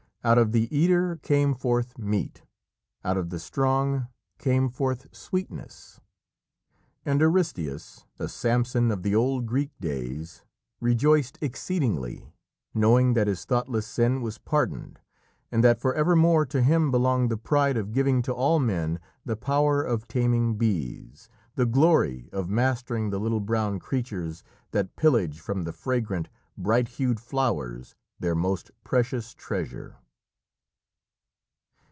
"Out of the eater came forth meat, out of the strong came forth sweetness." And Aristæus, a Samson of the old Greek days, rejoiced exceedingly, knowing that his thoughtless sin was pardoned, and that for evermore to him belonged the pride of giving to all men the power of taming bees, the glory of mastering the little brown creatures that pillage from the fragrant, bright hued flowers their most precious treasure.